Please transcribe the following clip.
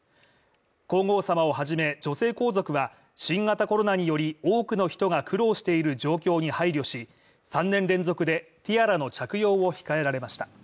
皇后さまを初め女性皇族は、新型コロナにより多くの人が苦労している状況に配慮し、３年連続でティアラの着用を控えられました。